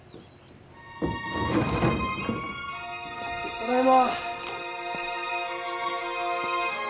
ただいま。